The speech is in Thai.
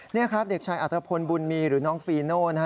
นี่ครับเด็กชายอัตภพลบุญมีหรือน้องฟีโน่นะฮะ